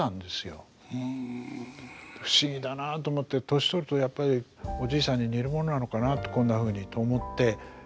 「年取るとやっぱりおじいさんに似るものなのかなこんなふうに」と思って。